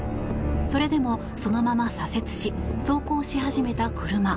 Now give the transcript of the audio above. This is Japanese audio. それでも、そのまま左折し走行し始めた車。